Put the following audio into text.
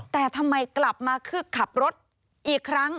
แต่ทำไมกลับมาคึกขับรถอีกครั้ง